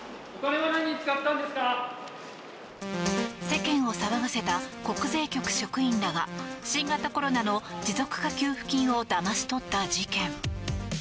世間を騒がせた国税局職員らが新型コロナの持続化給付金をだまし取った事件。